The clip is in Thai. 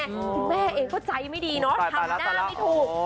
คุณแม่เองก็ใจไม่ดีเนาะทำหน้าไม่ถูก